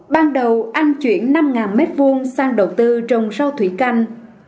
ban đầu anh chuyển năm m hai sang đầu tư trồng rau thủy canh